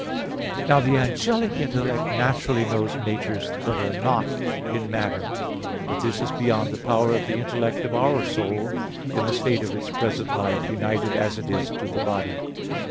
Now the angelic intellect naturally knows natures that are not in matter; but this is beyond the power of the intellect of our soul in the state of its present life, united as it is to the body.